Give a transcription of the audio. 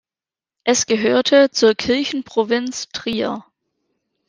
Es gehörte zur Kirchenprovinz Trier.